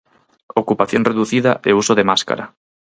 Ocupación reducida e uso de máscara.